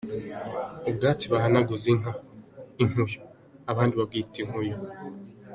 Ubwatsi bahanaguza inka : Inkuyu, abandi babwita Inkuyo.